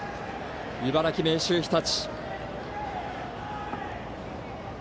茨城、明秀日立。